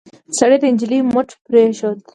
سړي د نجلۍ مټ پرېښود.